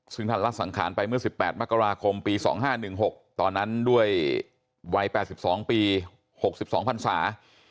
ซึ่งท่านรักษ์สังขารไปเมื่อสิบแปดมกราคมปีสองห้าหนึ่งหกตอนนั้นด้วยวัยแปดสิบสองปีหกสิบสองพันศา